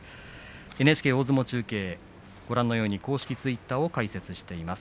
ＮＨＫ大相撲中継ご覧のように公式ツイッターを開設しています。